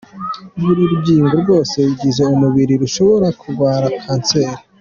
Buri rugingo rwose rugize umubiri rushobora kurwara kanseri.